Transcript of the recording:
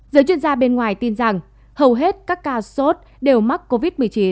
giới chuyên gia bên ngoài tin rằng hầu hết các ca sốt đều mắc covid một mươi chín